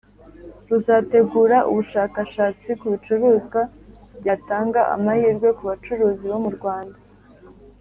ruzategura ubushakashatsi ku bicuruzwa byatanga amahirwe ku bacuruzi bo mu rwanda